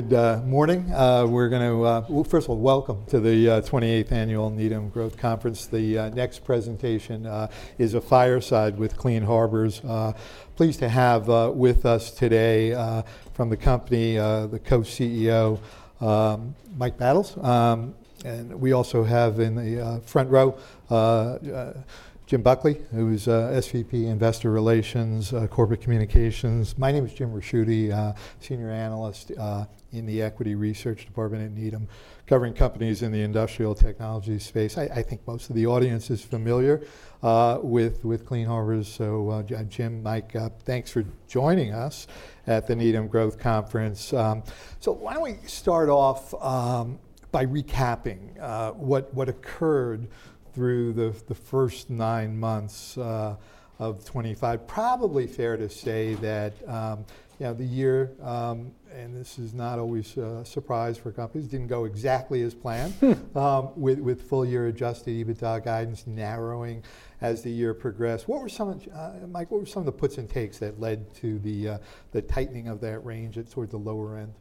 Good morning. We're going to, first of all, welcome to the 28th Annual Needham Growth Conference. The next presentation is a fireside with Clean Harbors. Pleased to have with us today from the company, the Co-CEO, Mike Battles. And we also have in the front row Jim Buckley, who's SVP, Investor Relations, Corporate Communications. My name is Jim Ricchiuti, Senior Analyst in the Equity Research Department at Needham, covering companies in the industrial technology space. I think most of the audience is familiar with Clean Harbors. So, Jim, Mike, thanks for joining us at the Needham Growth Conference. So why don't we start off by recapping what occurred through the first nine months of 2025? Probably fair to say that the year, and this is not always a surprise for companies, didn't go exactly as planned with full-year Adjusted EBITDA guidance narrowing as the year progressed. What were some of the puts and takes, Mike, that led to the tightening of that range towards the lower end?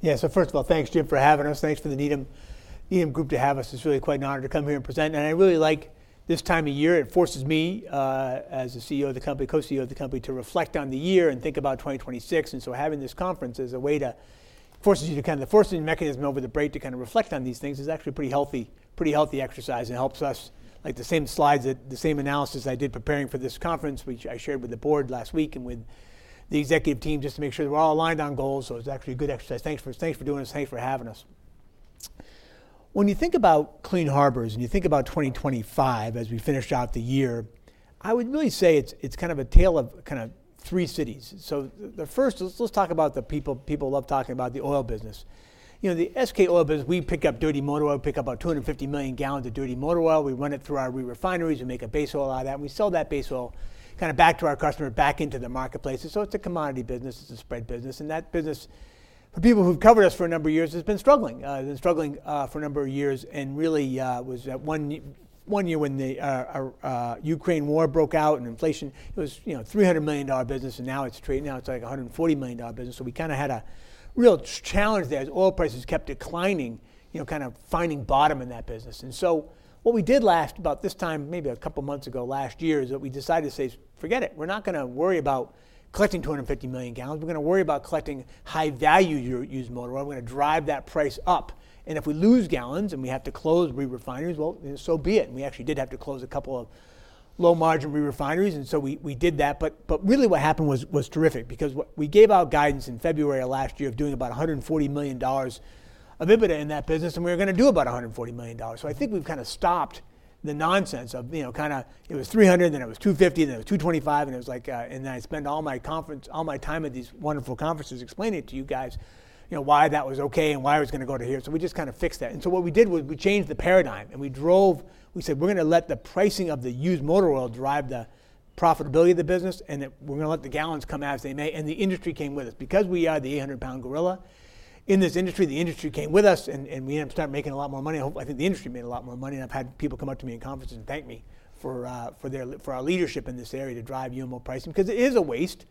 Yeah. So first of all, thanks, Jim, for having us. Thanks for the Needham Group to have us. It's really quite an honor to come here and present. I really like this time of year. It forces me, as a CEO of the company, co-CEO of the company, to reflect on the year and think about 2026. Having this conference is a way to force you to kind of the forcing mechanism over the break to kind of reflect on these things is actually a pretty healthy exercise. It helps us, like the same slides, the same analysis I did preparing for this conference, which I shared with the board last week and with the executive team just to make sure that we're all aligned on goals. It's actually a good exercise. Thanks for doing this. Thanks for having us. When you think about Clean Harbors and you think about 2025 as we finish out the year, I would really say it's kind of a tale of kind of three cities. So the first, let's talk about the people love talking about the oil business. The SK Oil business, we pick up dirty motor oil, pick up about 250 million gallons of dirty motor oil. We run it through our refineries. We make a base oil out of that. We sell that base oil kind of back to our customer, back into the marketplace. And so it's a commodity business. It's a spread business. And that business, for people who've covered us for a number of years, has been struggling. It's been struggling for a number of years and really was one year when the Ukraine war broke out and inflation. It was a $300 million business, and now it's like a $140 million business, so we kind of had a real challenge there as oil prices kept declining, kind of finding bottom in that business, and so what we did last about this time, maybe a couple of months ago last year, is that we decided to say, forget it. We're not going to worry about collecting 250 million gallons. We're going to worry about collecting high-value used motor oil. We're going to drive that price up. And if we lose gallons and we have to close refineries, well, so be it. And we actually did have to close a couple of low-margin refineries, and so we did that. But really, what happened was terrific because we gave out guidance in February of last year of doing about $140 million of EBITDA in that business, and we were going to do about $140 million. So I think we've kind of stopped the nonsense of kind of it was $300 million, then it was $250 million, then it was $225 million, and it was like, and then I spent all my time at these wonderful conferences explaining it to you guys why that was okay and why it was going to go to here. So we just kind of fixed that. And so what we did was we changed the paradigm. And we said, we're going to let the pricing of the used motor oil drive the profitability of the business, and we're going to let the gallons come out as they may. And the industry came with us. Because we are the 800-pound gorilla in this industry, the industry came with us, and we ended up starting making a lot more money. I think the industry made a lot more money. And I've had people come up to me in conferences and thank me for our leadership in this area to drive UMO pricing because it is a waste.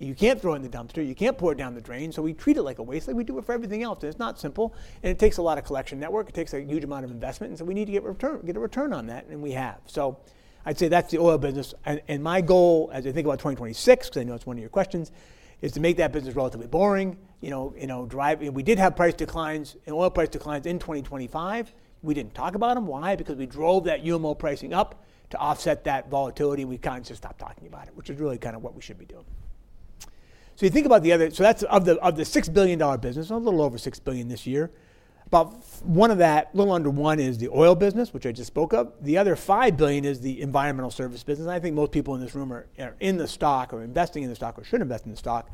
You can't throw it in the dumpster. You can't pour it down the drain. So we treat it like a waste. We do it for everything else. And it's not simple. And it takes a lot of collection network. It takes a huge amount of investment. And so we need to get a return on that. And we have. So I'd say that's the oil business. And my goal, as I think about 2026, because I know it's one of your questions, is to make that business relatively boring. We did have price declines and oil price declines in 2025. We didn't talk about them. Why? Because we drove that UMO pricing up to offset that volatility. And we kind of just stopped talking about it, which is really kind of what we should be doing. So, you think about the other. So that's of the $6 billion business, a little over $6 billion this year. About one of that, a little under one, is the oil business, which I just spoke of. The other $5 billion is the environmental service business. I think most people in this room are in the stock or investing in the stock or should invest in the stock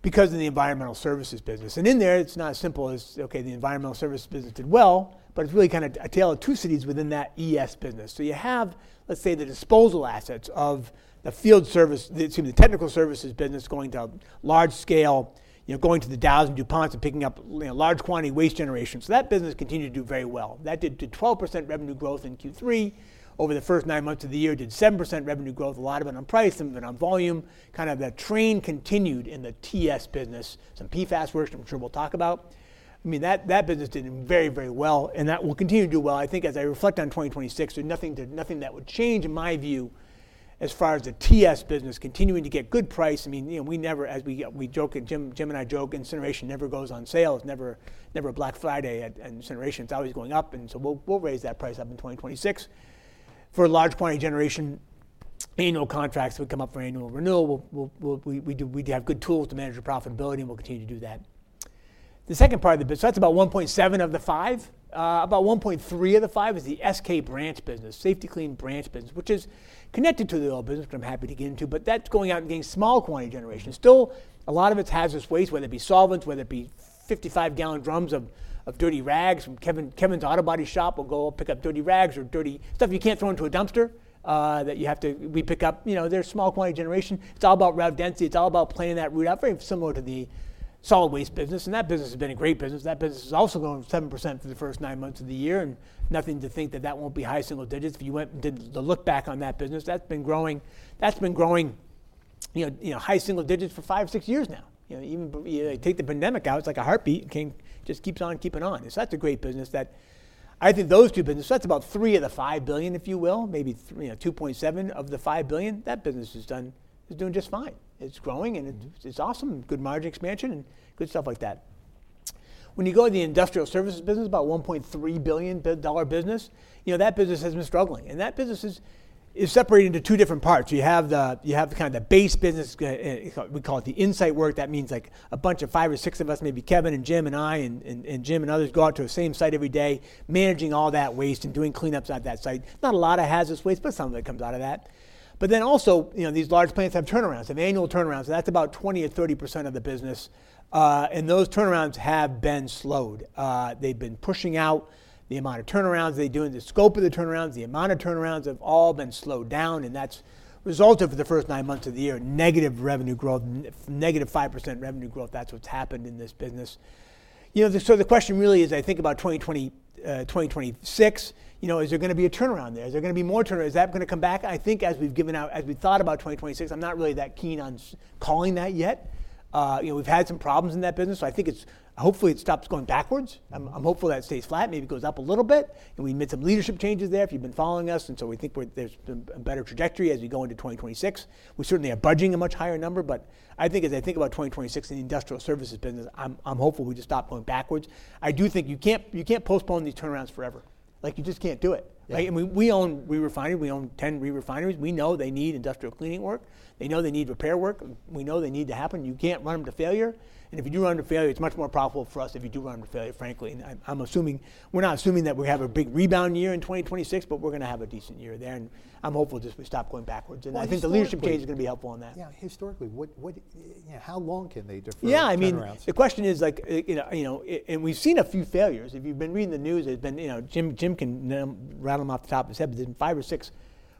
because of the environmental services business. And in there, it's not as simple as, okay, the environmental services business did well, but it's really kind of a tale of two cities within that ES business. So you have, let's say, the disposal assets of the field service, excuse me, the technical services business going to large scale, going to the Dow and DuPont and picking up large quantity waste generation. So that business continued to do very well. That did 12% revenue growth in Q3. Over the first nine months of the year, did 7% revenue growth, a lot of it on price, some of it on volume. Kind of that train continued in the TS business, some PFAS work, which we'll talk about. I mean, that business did very, very well, and that will continue to do well. I think as I reflect on 2026, there's nothing that would change, in my view, as far as the TS business continuing to get good price. I mean, we never, as we joke, Jim and I joke, incineration never goes on sale. It's never a Black Friday at incineration. It's always going up, and so we'll raise that price up in 2026. For large quantity generation, annual contracts would come up for annual renewal. We have good tools to manage the profitability, and we'll continue to do that. The second part of the business, so that's about 1.7 of the five. About 1.3 of the five is the SK branch business, Safety-Kleen branch business, which is connected to the oil business, which I'm happy to get into, but that's going out and getting small quantity generation. Still, a lot of it's hazardous waste, whether it be solvents, whether it be 55-gallon drums of dirty rags. Kevin's Auto Body Shop will go pick up dirty rags or dirty stuff you can't throw into a dumpster that you have to, we pick up. There's small quantity generation. It's all about route density. It's all about planning that route out. Very similar to the solid waste business, and that business has been a great business. That business has also grown 7% for the first nine months of the year, and nothing to think that that won't be high single digits if you went and did the look back on that business. That's been growing high single digits for five, six years now. Even take the pandemic out. It's like a heartbeat. It just keeps on keeping on, so that's a great business. I think those two businesses, that's about three of the $5 billion, if you will, maybe $2.7 billion of the $5 billion. That business is doing just fine. It's growing, and it's awesome. Good margin expansion and good stuff like that. When you go to the industrial services business, about $1.3 billion business, that business has been struggling. That business is separated into two different parts. You have kind of the base business. We call it the onsite work. That means like a bunch of five or six of us, maybe Kevin and Jim and I and Jim and others, go out to the same site every day, managing all that waste and doing cleanups at that site. Not a lot of hazardous waste, but some of it comes out of that. But then also these large plants have turnarounds, have annual turnarounds. That's about 20% or 30% of the business. And those turnarounds have been slowed. They've been pushing out the amount of turnarounds. They're doing the scope of the turnarounds. The amount of turnarounds have all been slowed down. And that's resulted for the first nine months of the year, negative revenue growth, negative 5% revenue growth. That's what's happened in this business. So the question really is, I think about 2026, is there going to be a turnaround there? Is there going to be more turnaround? Is that going to come back? I think as we've thought about 2026, I'm not really that keen on calling that yet. We've had some problems in that business. So I think hopefully it stops going backwards. I'm hopeful that stays flat, maybe goes up a little bit. And we made some leadership changes there if you've been following us. And so we think there's a better trajectory as we go into 2026. We certainly are budgeting a much higher number. But I think as I think about 2026 in the industrial services business, I'm hopeful we just stop going backwards. I do think you can't postpone these turnarounds forever. You just can't do it. We own re-refinery. We own 10 re-refineries. We know they need industrial cleaning work. They know they need repair work. We know they need to happen. You can't run them to failure. And if you do run them to failure, it's much more profitable for us if you do run them to failure, frankly. We're not assuming that we have a big rebound year in 2026, but we're going to have a decent year there. And I'm hopeful just we stop going backwards. And I think the leadership change is going to be helpful on that. Yeah. Historically, how long can they defend turnarounds? Yeah. I mean, the question is, and we've seen a few failures. If you've been reading the news, Jim can rattle them off the top of his head, but then five or six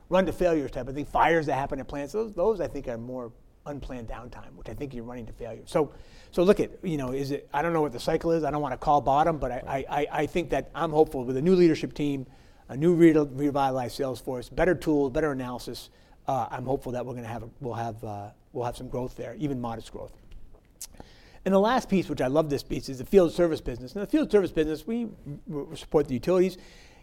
run-to-failure type, I think fires that happen at plants, those I think are more unplanned downtime, which I think you're running to failure. So look at, I don't know what the cycle is. I don't want to call bottom, but I think that I'm hopeful with a new leadership team, a new revitalized Salesforce, better tools, better analysis. I'm hopeful that we'll have some growth there, even modest growth. And the last piece, which I love this piece, is the field service business. In the field service business, we support the utilities.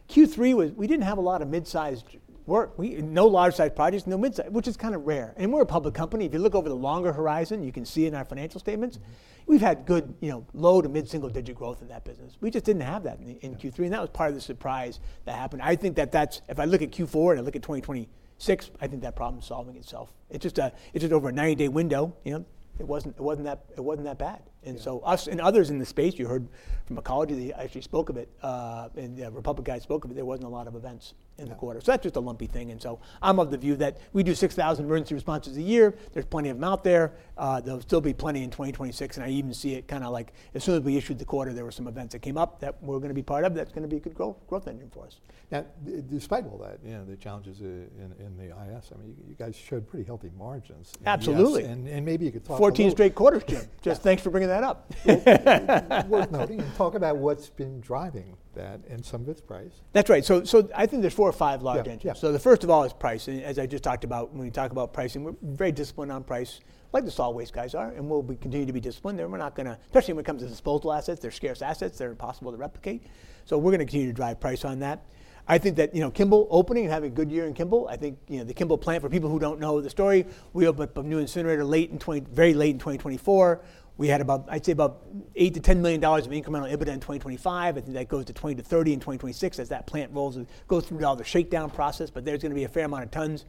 Q3, we didn't have a lot of mid-sized work, no large-sized projects, no mid-sized, which is kind of rare. And we're a public company. If you look over the longer horizon, you can see in our financial statements, we've had good low to mid-single-digit growth in that business. We just didn't have that in Q3. And that was part of the surprise that happened. I think that that's, if I look at Q4 and I look at 2026, I think that problem's solving itself. It's just over a 90-day window. It wasn't that bad. And so us and others in the space, you heard from a colleague who actually spoke of it, and a Republic guy spoke of it, there wasn't a lot of events in the quarter. So that's just a lumpy thing. And so I'm of the view that we do 6,000 emergency responses a year. There's plenty of them out there. There'll still be plenty in 2026. I even see it kind of like as soon as we issued the quarter, there were some events that came up that we're going to be part of that's going to be a good growth engine for us. Now, despite all that, the challenges in the IS, I mean, you guys showed pretty healthy margins. Absolutely. Maybe you could talk about that. 14 straight quarters, Jim. Just thanks for bringing that up. Worth noting, and talk about what's been driving that and some of its price. That's right. So I think there's four or five large engines. So the first of all is price. And as I just talked about, when we talk about pricing, we're very disciplined on price, like the solid waste guys are. And we'll continue to be disciplined there. We're not going to, especially when it comes to disposal assets, they're scarce assets. They're impossible to replicate. So we're going to continue to drive price on that. I think that Kimball opening, having a good year in Kimball, I think the Kimball plant, for people who don't know the story, we opened up a new incinerator very late in 2024. We had about, I'd say about $8-$10 million of incremental EBITDA in 2025. I think that goes to $20-$30 million in 2026 as that plant goes through all the shakedown process. But there's going to be a fair amount of tons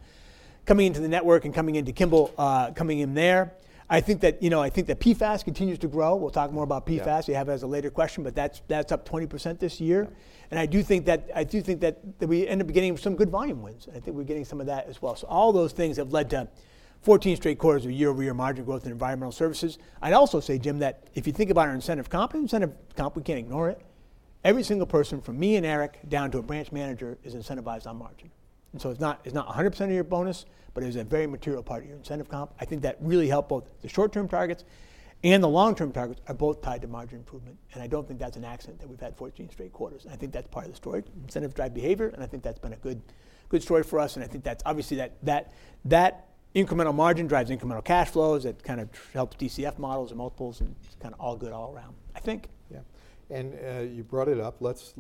coming into the network and coming into Kimball, coming in there. I think that PFAS continues to grow. We'll talk more about PFAS. You have it as a later question, but that's up 20% this year. And I do think that we end up getting some good volume wins. I think we're getting some of that as well. So all those things have led to 14 straight quarters of year-over-year margin growth in environmental services. I'd also say, Jim, that if you think about our incentive comp, incentive comp, we can't ignore it. Every single person from me and Eric down to a branch manager is incentivized on margin. And so it's not 100% of your bonus, but it is a very material part of your incentive comp. I think that really helped. Both the short-term targets and the long-term targets are both tied to margin improvement. And I don't think that's an accident that we've had 14 straight quarters. And I think that's part of the story, incentive-driven behavior. And I think that's been a good story for us. And I think that's obviously that incremental margin drives incremental cash flows. It kind of helps DCF models and multiples and kind of all good all around, I think. Yeah. And you brought it up. Let's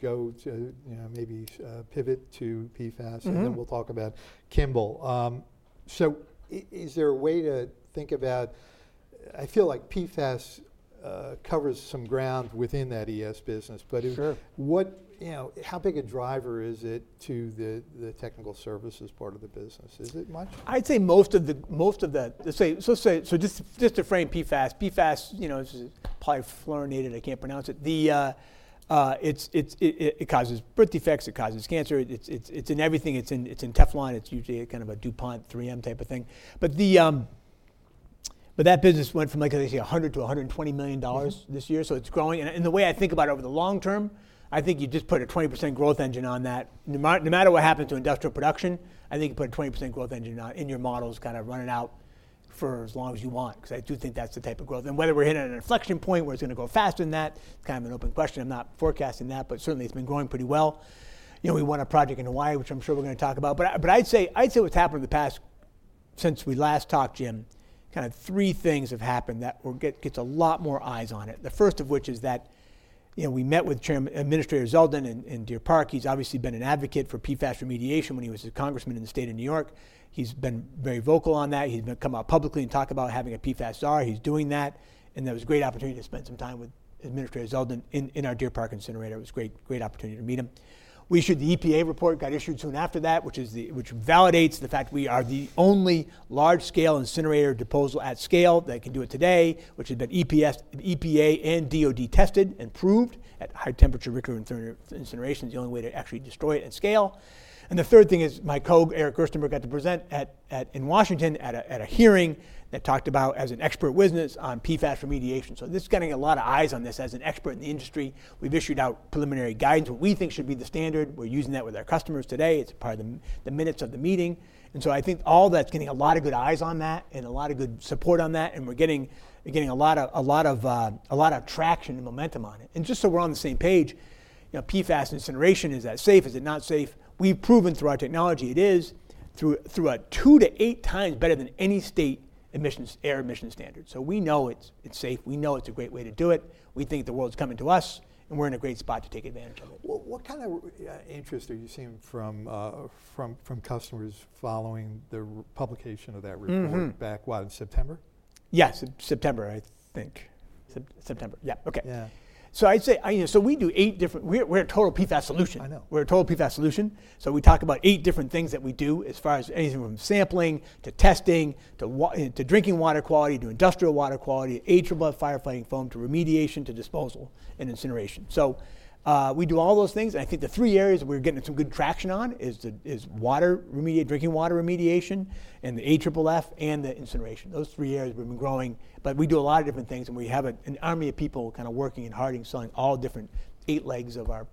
go to maybe pivot to PFAS, and then we'll talk about Kimball. So is there a way to think about, I feel like PFAS covers some ground within that ES business, but how big a driver is it to the technical services part of the business? Is it much? I'd say most of the, let's say, so just to frame PFAS, PFAS is polyfluorinated. I can't pronounce it. It causes birth defects. It causes cancer. It's in everything. It's in Teflon. It's usually kind of a DuPont 3M type of thing. But that business went from, like I say, $100-$120 million this year. So it's growing. And the way I think about it over the long term, I think you just put a 20% growth engine on that. No matter what happens to industrial production, I think you put a 20% growth engine in your models, kind of run it out for as long as you want. Because I do think that's the type of growth. And whether we're hitting an inflection point where it's going to go faster than that, it's kind of an open question. I'm not forecasting that, but certainly it's been growing pretty well. We won a project in Hawaii, which I'm sure we're going to talk about. I'd say what's happened in the past since we last talked, Jim, kind of three things have happened that gets a lot more eyes on it. The first of which is that we met with Administrator Zeldin in Deer Park. He's obviously been an advocate for PFAS remediation when he was a congressman in the state of New York. He's been very vocal on that. He's come out publicly and talked about having a PFAS czar. He's doing that. That was a great opportunity to spend some time with Administrator Zeldin in our Deer Park incinerator. It was a great opportunity to meet him. We issued the EPA report, got issued soon after that, which validates the fact we are the only large-scale incinerator disposal at scale that can do it today, which has been EPA and DOD tested and proved that high-temperature recurrent incineration is the only way to actually destroy it at scale. The third thing is my co-owner, Eric Gerstenberg, got to present in Washington at a hearing that talked about, as an expert witness, on PFAS remediation. This is getting a lot of eyes on this as an expert in the industry. We've issued our preliminary guidance, what we think should be the standard. We're using that with our customers today. It's part of the minutes of the meeting. I think all that's getting a lot of good eyes on that and a lot of good support on that. We're getting a lot of traction and momentum on it. Just so we're on the same page, PFAS incineration, is that safe? Is it not safe? We've proven through our technology it is through a two to eight times better than any state air emission standard. We know it's safe. We know it's a great way to do it. We think the world's coming to us, and we're in a great spot to take advantage of it. What kind of interest are you seeing from customers following the publication of that report back in September? Yes, September, I think. Yeah. Okay. So I'd say we do eight different. We're a total PFAS solution. I know. We're a total PFAS solution. So we talk about eight different things that we do as far as anything from sampling to testing to drinking water quality to industrial water quality, AFFF, firefighting foam, to remediation to disposal and incineration. So we do all those things. And I think the three areas we're getting some good traction on is water remediation, drinking water remediation, and the AFFF and the incineration. Those three areas we've been growing. But we do a lot of different things. And we have an army of people kind of working and hard and selling all different eight legs of our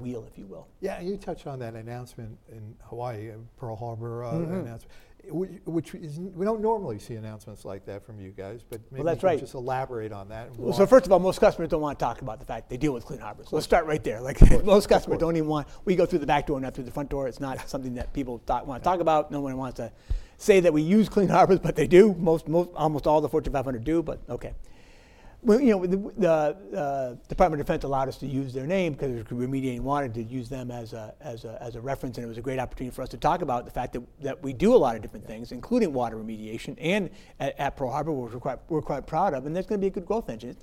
wheel, if you will. Yeah. And you touched on that announcement in Hawaii, Pearl Harbor announcement, which we don't normally see announcements like that from you guys. But maybe you could just elaborate on that. So first of all, most customers don't want to talk about the fact they deal with Clean Harbors. Let's start right there. Most customers don't even want we go through the back door and not through the front door. It's not something that people want to talk about. No one wants to say that we use Clean Harbors, but they do. Almost all the Fortune 500 do, but okay. The Department of Defense allowed us to use their name because remediating water to use them as a reference. And it was a great opportunity for us to talk about the fact that we do a lot of different things, including water remediation and at Pearl Harbor, which we're quite proud of. And that's going to be a good growth engine.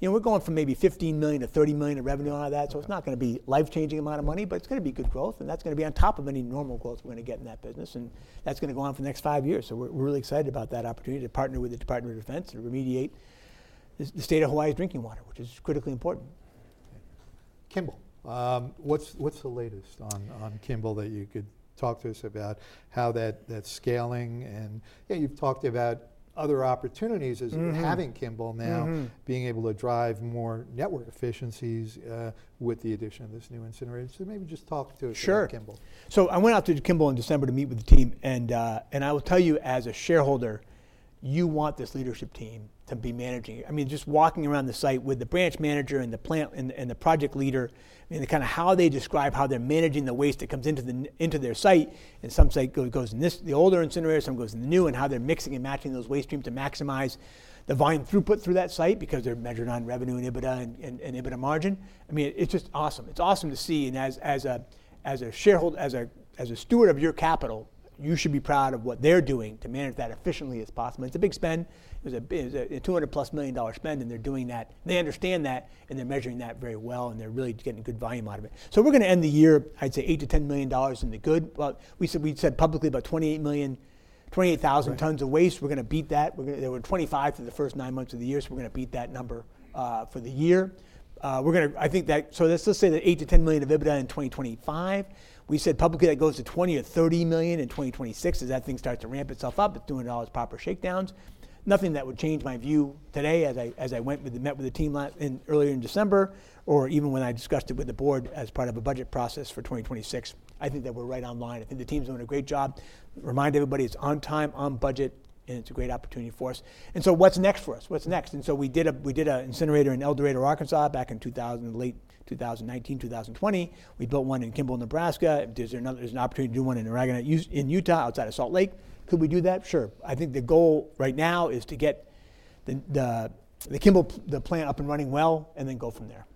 We're going from maybe $15 million-$30 million of revenue on that. So it's not going to be a life-changing amount of money, but it's going to be good growth. And that's going to be on top of any normal growth we're going to get in that business. And that's going to go on for the next five years. So we're really excited about that opportunity to partner with the U.S. Department of Defense and remediate the state of Hawaii's drinking water, which is critically important. Kimball, what's the latest on Kimball that you could talk to us about, how's that scaling? And yeah, you've talked about other opportunities as you're having Kimball now, being able to drive more network efficiencies with the addition of this new incinerator. So maybe just talk to us about Kimball. Sure. So I went out to Kimball in December to meet with the team. And I will tell you, as a shareholder, you want this leadership team to be managing it. I mean, just walking around the site with the branch manager and the project leader and kind of how they describe how they're managing the waste that comes into their site. And some site goes in the older incinerator, some goes in the new, and how they're mixing and matching those waste streams to maximize the volume throughput through that site because they're measured on revenue and EBITDA and EBITDA margin. I mean, it's just awesome. It's awesome to see. And as a steward of your capital, you should be proud of what they're doing to manage that efficiently as possible. It's a big spend. It was a $200-plus million spend. And they're doing that. They understand that. They're measuring that very well. They're really getting good volume out of it. We're going to end the year, I'd say, $8-$10 million in the good. We said publicly about 28,000 tons of waste. We're going to beat that. There were 25 for the first nine months of the year. We're going to beat that number for the year. I think that, so let's say that $8-$10 million of EBITDA in 2025. We said publicly that goes to $20 or $30 million in 2026 as that thing starts to ramp itself up at $200 proper shakedowns. Nothing that would change my view today as I met with the team earlier in December or even when I discussed it with the board as part of a budget process for 2026. I think that we're right on line. I think the team's doing a great job. Remind everybody it's on time, on budget, and it's a great opportunity for us. What's next for us? What's next? We did an incinerator in El Dorado, Arkansas, back in late 2019, 2020. We built one in Kimball, Nebraska. There's an opportunity to do one in Utah outside of Salt Lake. Could we do that? Sure. I think the goal right now is to get the Kimball plant up and running well and then go from there.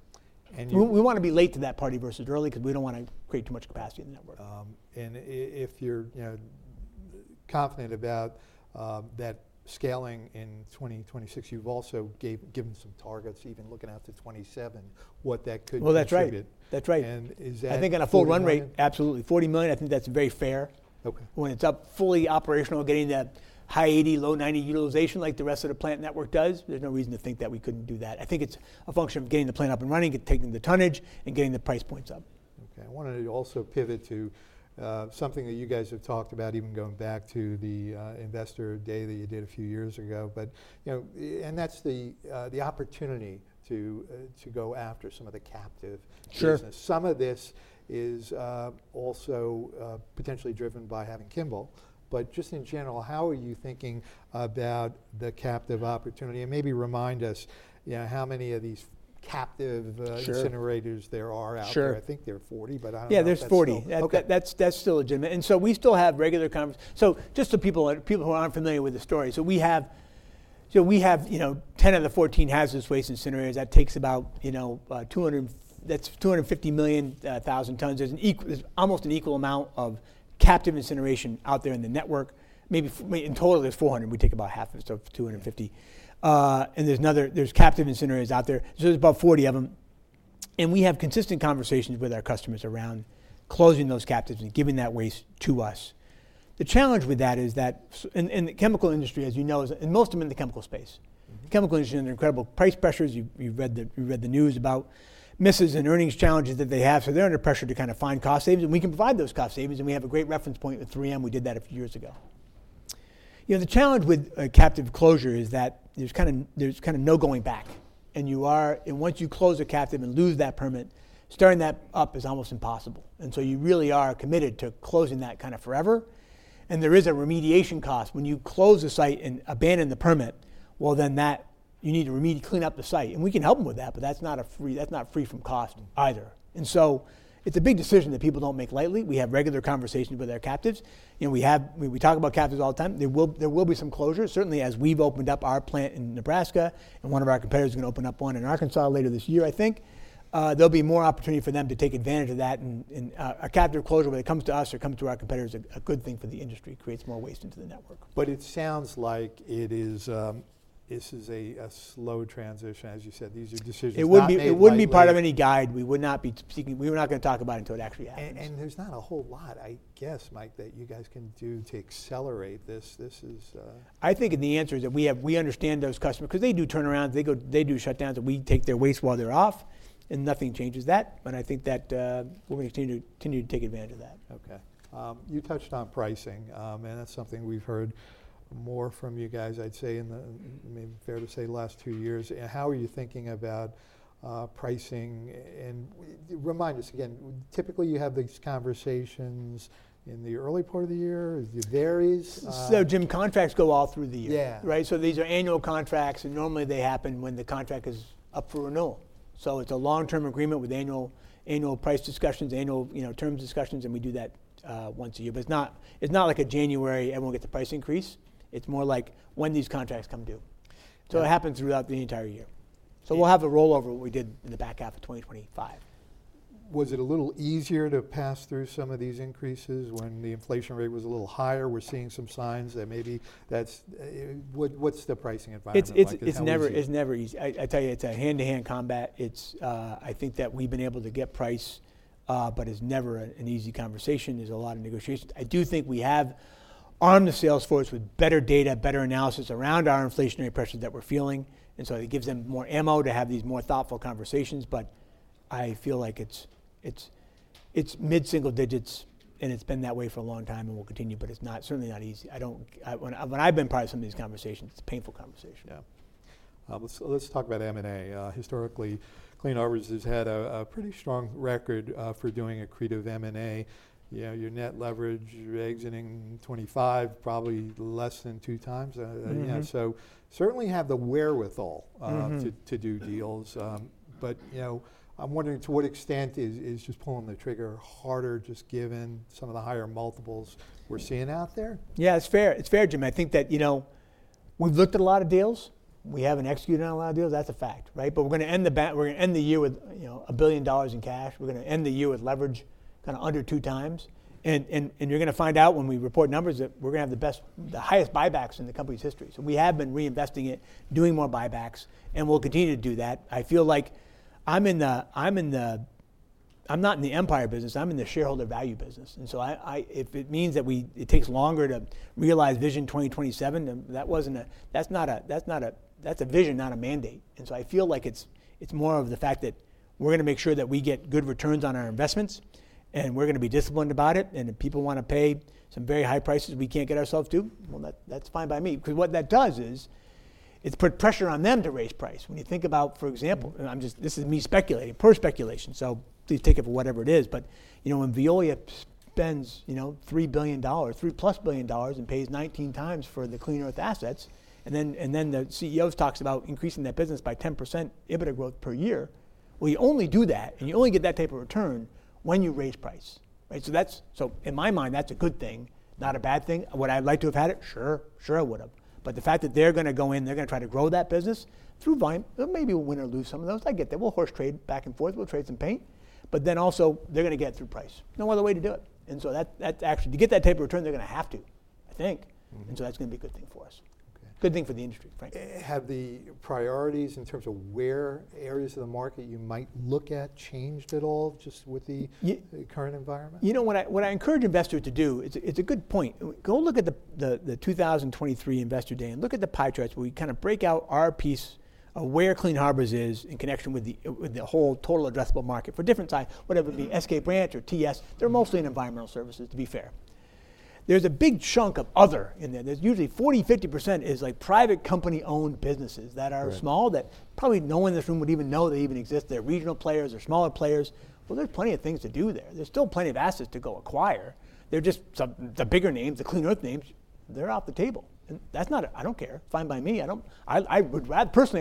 We want to be late to that party versus early because we don't want to create too much capacity in the network. And if you're confident about that scaling in 2026, you've also given some targets, even looking out to 2027, what that could be treated? That's right. That's right. Is that. I think on a full run rate, absolutely $40 million. I think that's very fair. When it's up fully operational, getting that high 80, low 90 utilization like the rest of the plant network does, there's no reason to think that we couldn't do that. I think it's a function of getting the plant up and running, taking the tonnage, and getting the price points up. Okay. I wanted to also pivot to something that you guys have talked about, even going back to the investor day that you did a few years ago. And that's the opportunity to go after some of the captive business. Some of this is also potentially driven by having Kimball. But just in general, how are you thinking about the captive opportunity? And maybe remind us how many of these captive incinerators there are out there. I think there are 40, but I don't know. Yeah, there's 40. That's still a gem. And so we still have regular conversations. So just so people who aren't familiar with the story, we have 10 of the 14 hazardous waste incinerators. That takes about 250 million tons. There's almost an equal amount of captive incineration out there in the network. Maybe in total, there's 400. We take about half of it, so 250. And there's captive incinerators out there. So there's about 40 of them. And we have consistent conversations with our customers around closing those captives and giving that waste to us. The challenge with that is that in the chemical industry, as you know, and most of them in the chemical space, the chemical industry is under incredible price pressures. You've read the news about misses and earnings challenges that they have. So they're under pressure to kind of find cost savings. And we can provide those cost savings. And we have a great reference point with 3M. We did that a few years ago. The challenge with captive closure is that there's kind of no going back. And once you close a captive and lose that permit, starting that up is almost impossible. And so you really are committed to closing that kind of forever. And there is a remediation cost. When you close the site and abandon the permit, well, then you need to clean up the site. And we can help them with that, but that's not free from cost either. And so it's a big decision that people don't make lightly. We have regular conversations with our captives. We talk about captives all the time. There will be some closures. Certainly, as we've opened up our plant in Nebraska and one of our competitors is going to open up one in Arkansas later this year, I think there'll be more opportunity for them to take advantage of that. And a captive closure when it comes to us or comes to our competitors, a good thing for the industry, creates more waste into the network. But it sounds like this is a slow transition. As you said, these are decisions that are going to be made. It wouldn't be part of any guide. We would not be speaking. We're not going to talk about it until it actually happens. There's not a whole lot, I guess, Mike, that you guys can do to accelerate this. This is. I think the answer is that we understand those customers because they do turnarounds. They do shutdowns. We take their waste while they're off, and nothing changes that, but I think that we're going to continue to take advantage of that. Okay. You touched on pricing. And that's something we've heard more from you guys, I'd say, in the, I mean, fair to say, last two years. And how are you thinking about pricing? And remind us again, typically you have these conversations in the early part of the year. It varies. So, Jim, contracts go all through the year. Right? So these are annual contracts. And normally they happen when the contract is up for renewal. So it's a long-term agreement with annual price discussions, annual terms discussions. And we do that once a year. But it's not like a January, everyone gets a price increase. It's more like when these contracts come due. So it happens throughout the entire year. So we'll have a rollover of what we did in the back half of 2025. Was it a little easier to pass through some of these increases when the inflation rate was a little higher? We're seeing some signs that maybe that's what's the pricing environment like? It's never easy. I tell you, it's a hand-to-hand combat. I think that we've been able to get price, but it's never an easy conversation. There's a lot of negotiations. I do think we have armed the Salesforce with better data, better analysis around our inflationary pressures that we're feeling, and so it gives them more ammo to have these more thoughtful conversations, but I feel like it's mid-single digits, and it's been that way for a long time and will continue, but it's certainly not easy. When I've been part of some of these conversations, it's a painful conversation. Yeah. Let's talk about M&A. Historically, Clean Harbors has had a pretty strong record for doing a creative M&A. Your net leverage exiting 2025, probably less than two times. So certainly have the wherewithal to do deals. But I'm wondering to what extent is just pulling the trigger harder just given some of the higher multiples we're seeing out there? Yeah, it's fair. It's fair, Jim. I think that we've looked at a lot of deals. We haven't executed on a lot of deals. That's a fact. Right? But we're going to end the year with $1 billion in cash. We're going to end the year with leverage kind of under two times. And you're going to find out when we report numbers that we're going to have the highest buybacks in the company's history. So we have been reinvesting it, doing more buybacks. And we'll continue to do that. I feel like I'm in the I'm not in the empire business. I'm in the shareholder value business. And so if it means that it takes longer to realize Vision 2027, that's not a vision, not a mandate. And so I feel like it's more of the fact that we're going to make sure that we get good returns on our investments. And we're going to be disciplined about it. And if people want to pay some very high prices we can't get ourselves to, well, that's fine by me. Because what that does is it's put pressure on them to raise price. When you think about, for example, this is me speculating, pure speculation. So please take it for whatever it is. But when Veolia spends $3 billion, $3 plus billion and pays 19 times for the Clean Earth assets, and then the CEO talks about increasing that business by 10% EBITDA growth per year, well, you only do that, and you only get that type of return when you raise price. Right? So in my mind, that's a good thing, not a bad thing. Would I have liked to have had it? Sure. Sure, I would have. But the fact that they're going to go in, they're going to try to grow that business through volume, they'll maybe win or lose some of those. I get that. We'll horse trade back and forth. We'll trade some paint. But then also they're going to get it through price. No other way to do it. And so to get that type of return, they're going to have to, I think. And so that's going to be a good thing for us. Good thing for the industry, frankly. Have the priorities in terms of where areas of the market you might look at changed at all just with the current environment? You know what I encourage investors to do? It's a good point. Go look at the 2023 Investor Day and look at the pie charts. We kind of break out our piece of where Clean Harbors is in connection with the whole total addressable market for different size, whether it be SK Branch or TS. They're mostly in environmental services, to be fair. There's a big chunk of other in there. There's usually 40%-50% is private company-owned businesses that are small that probably no one in this room would even know they even exist. They're regional players. They're smaller players. Well, there's plenty of things to do there. There's still plenty of assets to go acquire. They're just the bigger names, the Clean Earth names, they're off the table. And that's not a I don't care. Fine by me. Personally, I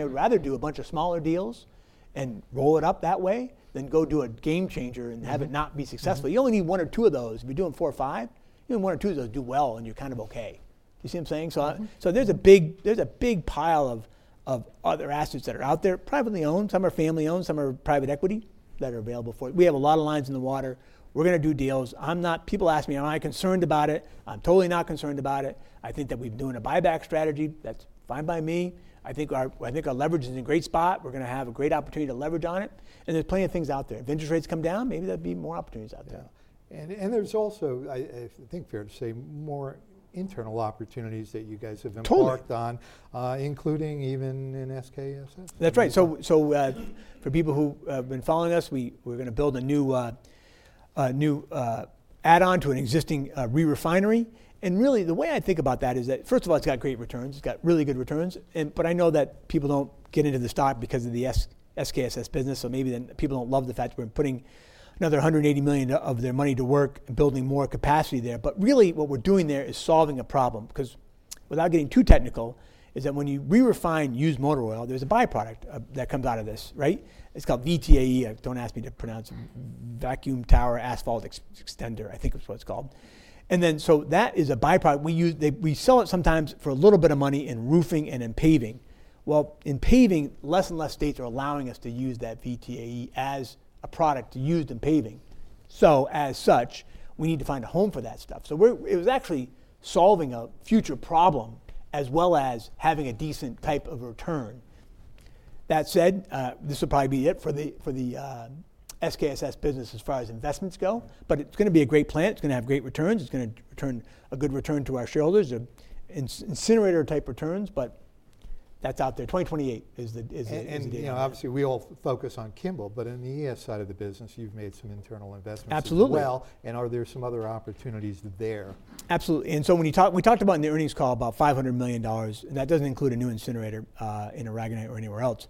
would rather do a bunch of smaller deals and roll it up that way than go do a game changer and have it not be successful. You only need one or two of those. If you're doing four or five, even one or two of those do well and you're kind of okay. You see what I'm saying? So there's a big pile of other assets that are out there, privately owned. Some are family-owned. Some are private equity that are available for it. We have a lot of lines in the water. We're going to do deals. People ask me, am I concerned about it? I'm totally not concerned about it. I think that we've been doing a buyback strategy. That's fine by me. I think our leverage is in a great spot. We're going to have a great opportunity to leverage on it. There's plenty of things out there. If interest rates come down, maybe there'll be more opportunities out there. Yeah. And there's also, I think fair to say, more internal opportunities that you guys have embarked on, including even in SKSS. That's right. So for people who have been following us, we're going to build a new add-on to an existing re-refinery. And really, the way I think about that is that, first of all, it's got great returns. It's got really good returns. But I know that people don't get into the stock because of the SKSS business. So maybe people don't love the fact that we're putting another $180 million of their money to work and building more capacity there. But really, what we're doing there is solving a problem. Because without getting too technical, is that when you re-refine used motor oil, there's a byproduct that comes out of this. Right? It's called VTAE. Don't ask me to pronounce it. Vacuum Tower Asphalt Extender, I think is what it's called. And then so that is a byproduct. We sell it sometimes for a little bit of money in roofing and in paving. Well, in paving, less and less states are allowing us to use that VTAE as a product used in paving. So as such, we need to find a home for that stuff. So it was actually solving a future problem as well as having a decent type of return. That said, this will probably be it for the SKSS business as far as investments go. But it's going to be a great plant. It's going to have great returns. It's going to return a good return to our shareholders. Incinerator-type returns. But that's out there. 2028 is the end date. Obviously, we all focus on Kimball. In the ES side of the business, you've made some internal investments. Absolutely. As well. And are there some other opportunities there? Absolutely. And so we talked about in the earnings call about $500 million. And that doesn't include a new incinerator in Aragonite or anywhere else.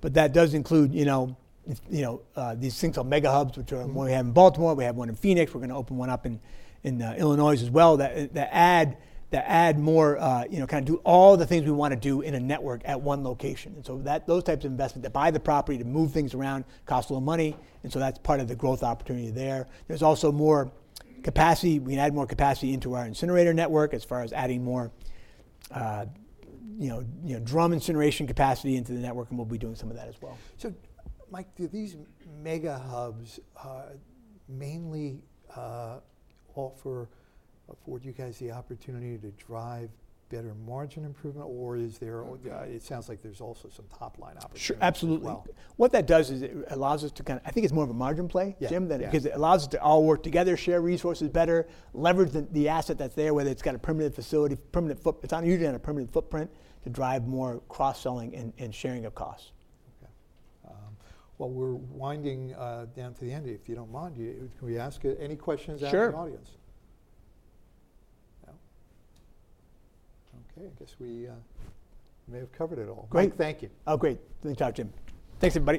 But that does include these things called mega hubs, which we have in Baltimore. We have one in Phoenix. We're going to open one up in Illinois as well that add more kind of do all the things we want to do in a network at one location. And so those types of investment to buy the property, to move things around, cost a little money. And so that's part of the growth opportunity there. There's also more capacity. We can add more capacity into our incinerator network as far as adding more drum incineration capacity into the network. And we'll be doing some of that as well. So, Mike, do these mega hubs mainly offer for you guys the opportunity to drive better margin improvement? Or it sounds like there's also some top-line opportunity. Sure. Absolutely. What that does is it allows us to kind of I think it's more of a margin play, Jim, because it allows us to all work together, share resources better, leverage the asset that's there, whether it's got a permanent facility, permanent footprint. It's not usually on a permanent footprint to drive more cross-selling and sharing of costs. Okay. Well, we're winding down to the end, if you don't mind. Can we ask any questions out of the audience? Sure. No? Okay. I guess we may have covered it all. Great. Thank you. Oh, great. Thanks, Jim. Thanks, everybody.